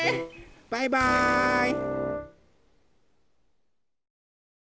バイバーイ！